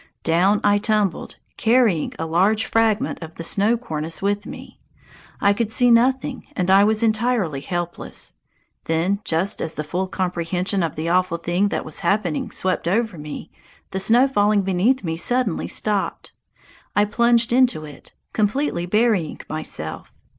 Down I tumbled, carrying a large fragment of the snow cornice with me. I could see nothing, and I was entirely helpless. Then, just as the full comprehension of the awful thing that was happening swept over me, the snow falling beneath me suddenly stopped. I plunged into it, completely burying myself.